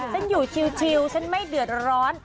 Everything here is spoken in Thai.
ฉันอยู่ชิวฉันไม่เดือดร้อน